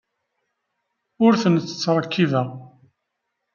Ur ten-ttṛekkibeɣ.